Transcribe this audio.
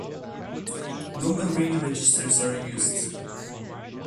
No memory registers are used.